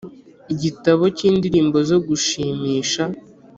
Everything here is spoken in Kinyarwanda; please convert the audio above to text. igitabo cyindirimbo zo gushimisha